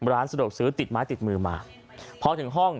ร้านสะดวกซื้อติดไม้ติดมือมาพอถึงห้อง